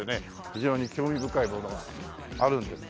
非常に興味深いものがあるんで。